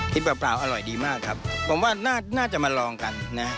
เปล่าอร่อยดีมากครับผมว่าน่าจะมาลองกันนะ